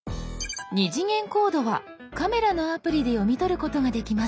「２次元コード」はカメラのアプリで読み取ることができます。